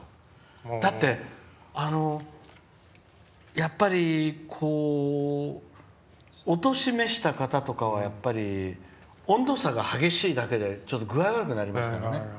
だって、やっぱりお年を召した方とかは温度差が激しいだけで具合が悪くなりますから。